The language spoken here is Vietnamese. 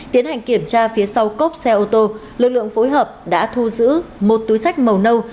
tiến hành kiểm tra phía sau cốp xe ô tô lực lượng phối hợp đã thu giữ một túi sách màu nâu